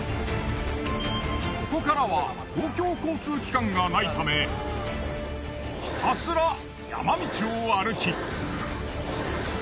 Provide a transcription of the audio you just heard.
ここからは公共交通機関がないためひたすら山道を歩き。